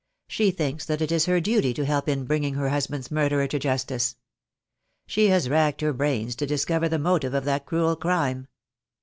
She thinks that it is her duty to help in bringing her husband's murderer to justice. She has racked her brains to discover the motive of that cruel crime.